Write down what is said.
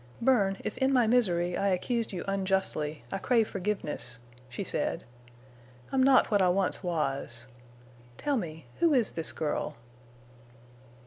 "Bern, if in my misery I accused you unjustly, I crave forgiveness," she said. "I'm not what I once was. Tell me—who is this girl?"